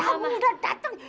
tamu udah dateng